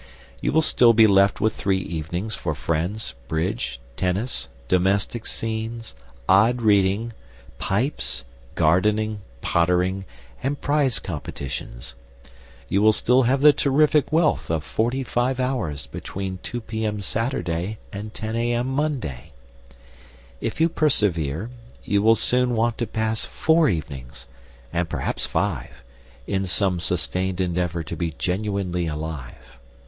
You will still be left with three evenings for friends, bridge, tennis, domestic scenes, odd reading, pipes, gardening, pottering, and prize competitions. You will still have the terrific wealth of forty five hours between 2 p.m. Saturday and 10 a.m. Monday. If you persevere you will soon want to pass four evenings, and perhaps five, in some sustained endeavour to be genuinely alive.